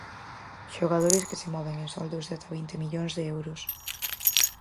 Xogadores que se moven en soldos de ata vinte millóns de euros.